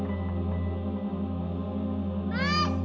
eh dia lupa diambil